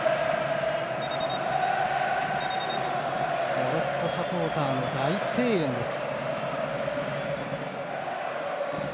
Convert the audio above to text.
モロッコサポーターの大声援です。